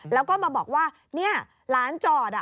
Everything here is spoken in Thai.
แล้วก็มาบอกว่าเนี่ยหลานจอด